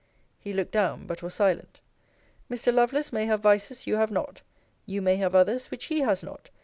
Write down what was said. He looked down; but was silent. Mr. Lovelace may have vices you have not. You may have others, which he has not.